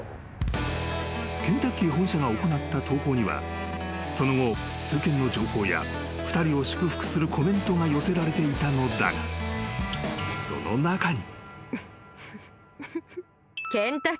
［ケンタッキー本社が行った投稿にはその後数件の情報や２人を祝福するコメントが寄せられていたのだがその中に］